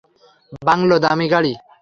Bungalow, দামী গাড়ি।